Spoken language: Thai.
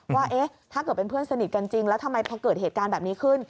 ว่าถ้าเกิดเป็นเพื่อนสนิทกันจริงแล้วทำไมพอเกิดเหตุการณ์แบบนี้ขึ้น